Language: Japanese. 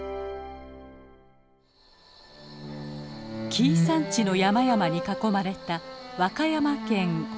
紀伊山地の山々に囲まれた和歌山県北部。